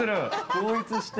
統一して。